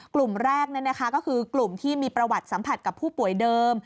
กลุ่มแรกก็คือกลุ่มที่มีประวัติสัมผัสกับผู้ป่วยเดิม